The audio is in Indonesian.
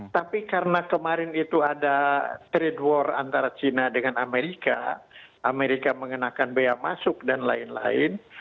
tapi karena kemarin itu ada trade war antara china dengan amerika amerika mengenakan bea masuk dan lain lain